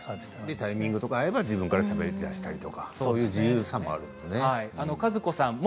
タイミングが合えば自分からしゃべり出したりという自由さもあるんですね。